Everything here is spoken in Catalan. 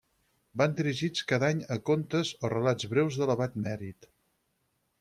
Van dirigits cada any a contes o relats breus d'elevat mèrit.